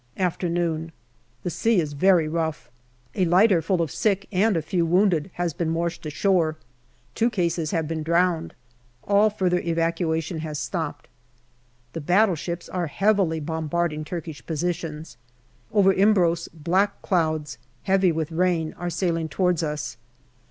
Afternoon. The sea is very rough. A lighter full of sick and a few wounded has been washed ashore. Two cases have been drowned. All further evacuation has stopped. The battleships are heavily bombarding Turkish positions. Over Imbros black clouds, heavy with rain, are sailing towards us.